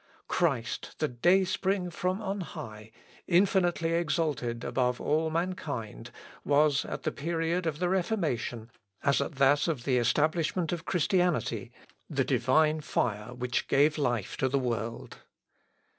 Christ, the day spring from on high, infinitely exalted above all mankind, was, at the period of the Reformation as at that of the establishment of Christianity, the divine fire which gave life to the world.